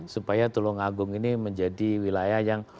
supaya tulungagung ini menjadi wilayah yang